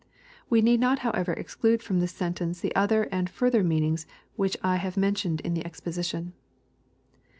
We need not however exclude from tliis sontence the other and further mean ings which I have mentioned in the exposition.